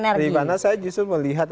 berimana saya justru melihat